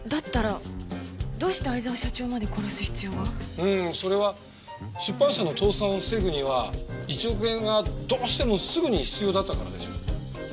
うんそれは出版社の倒産を防ぐには１億円がどうしてもすぐに必要だったからでしょ。